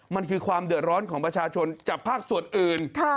มันคือความเดือดร้อนของประชาชนจากภาคส่วนอื่น